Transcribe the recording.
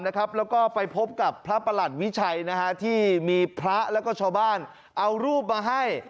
แล้วก็ไปพบกับพระประหลัดวิชัยที่มีพระแล้วก็ชาวบ้านเอารูปมาให้